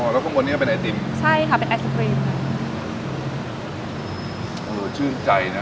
แล้วข้างบนนี้ก็เป็นไอติมใช่ค่ะเป็นไอศครีมโอ้โหชื่นใจนะ